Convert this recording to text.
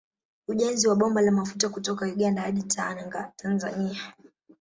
Ujenzi wa bomba la mafuta kutoka Uganda hadi Tanga Tanzania